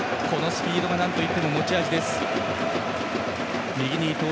スピードがなんといっても持ち味の伊東。